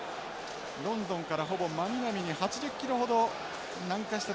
ロンドンからほぼ真南に８０キロほど南下した所にあります